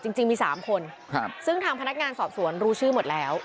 จริงจริงมีสามคนครับซึ่งทางพนักงานสอบสวนรู้ชื่อหมดแล้ว